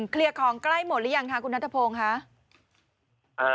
เคลียร์ของใกล้หมดหรือยังคะคุณนัทพงศ์ค่ะ